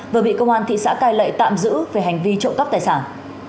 vừa bị công an thị xã cai lệ tạm giữ về hành vi trộm cắp tài sản